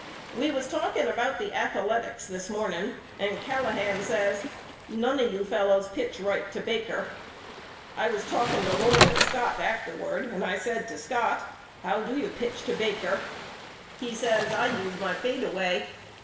We was talking about the Athaletics this morn ing and Callahan says None of you fellows pitch right to Baker. I was talking to Lord and Scott afterward and I say to Scott How do you pitch to Baker? He says I use my fadeaway.